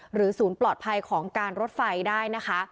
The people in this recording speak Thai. ศูนย์ปลอดภัยของการรถไฟได้นะคะ